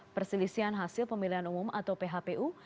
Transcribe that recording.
perselisihan hasil pemilihan umum atau phpu